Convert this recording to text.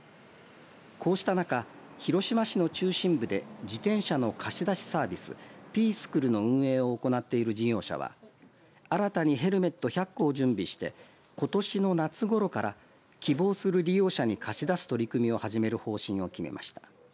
こうした中、広島市の中心部で自転車の貸し出しサービスぴーすくるの運営を行っている事業者は新たにヘルメット１００個を準備してことしの夏ごろから希望する利用者に貸し出す取り組みを始める方針を決めました。